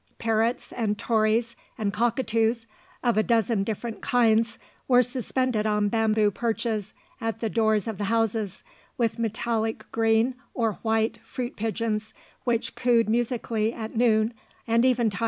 Parrots and Tories and cockatoos, of a dozen different binds, were suspended on bamboo perches at the doors of the houses, with metallic green or white fruit pigeons which cooed musically at noon and eventide.